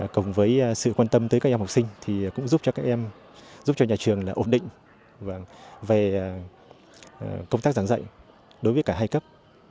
cùng với sự quan tâm tới các em học sinh cũng giúp cho nhà trường ổn định về công tác giảng dạy đối với cả hai cấp